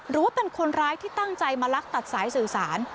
หรือว่าเป็นคนร้ายที่ตั้งใจมาลักตัดสายสื่อสาร